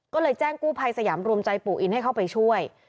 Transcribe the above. ก็เลยแจ้งกู้ภัยสยามรวมใจปู่อินให้เข้าไปช่วย